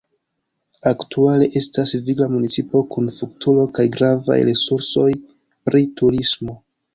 Aktuale estas vigla municipo kun futuro kaj gravaj resursoj pri turismo.